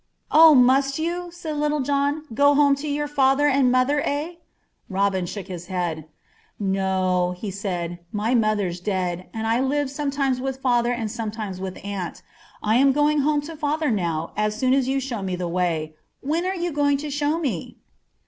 "Oh! must you?" said Little John. "Go home to your father and mother, eh?" Robin shook his head. "No," he said; "my mother's dead, and I live sometimes with father and sometimes with aunt. I am going home to father now, as soon as you show me the way. When are you going to show me?"